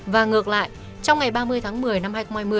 và ngược lại trong ngày ba mươi tháng một mươi năm hai nghìn hai mươi